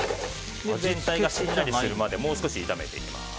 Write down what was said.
全体がしんなりするまでもう少し炒めていきます。